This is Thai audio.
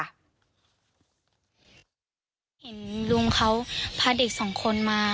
เห็นลุงเขาพาเด็กสองคนมา